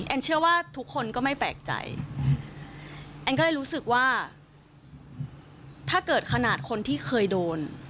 เชื่อว่าทุกคนก็ไม่แปลกใจแอนก็เลยรู้สึกว่าถ้าเกิดขนาดคนที่เคยโดน